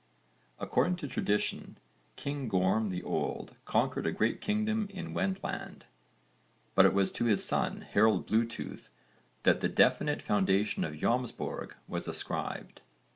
According to tradition King Gorm the Old conquered a great kingdom in Wendland, but it was to his son Harold Bluetooth that the definite foundation of Jómsborg was ascribed.